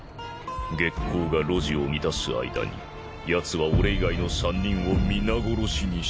月光が路地を満たす間にやつは俺以外の３人を皆殺しにした。